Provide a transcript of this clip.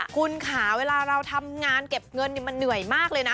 คุณค่ะเวลาเราทำงานเก็บเงินมันเหนื่อยมากเลยนะ